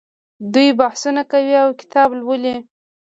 دوی بحثونه کوي او کتاب لوالي.